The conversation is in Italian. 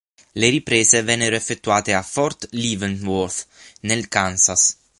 Le riprese vennero effettuate a Fort Leavenworth, nel Kansas.